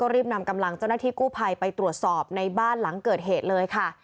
รีบนำกำลังเจ้าหน้าที่กู้ภัยไปตรวจสอบในบ้านหลังเกิดเหตุเลยค่ะ